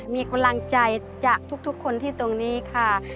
มีกำลังใจจากทุกคนที่ตรงนี้ค่ะ